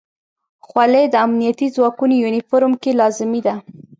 خولۍ د امنیتي ځواکونو یونیفورم کې لازمي ده.